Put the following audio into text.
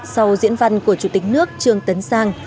sau diễn văn của chủ tịch nước trương tấn sang